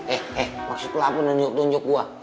eh eh eh maksud lo apa nunjuk nunjuk gue